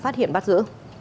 phát hiện bắt giữ